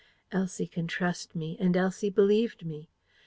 Elsie can trust me; and Elsie believed me.